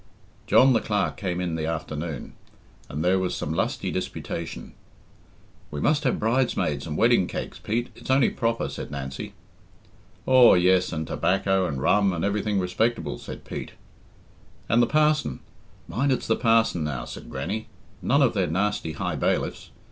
John the Clerk came in the afternoon, and there was some lusty disputation. "We must have bridesmaids and wedding cakes, Pete it's only proper," said Nancy. "Aw, yes, and tobacco and rum, and everything respectable," said Pete. "And the parson mind it's the parson now," said Grannie; "none of their nasty high bailiffs.